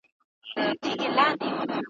سلمان وویل قسمت کړي وېشونه ,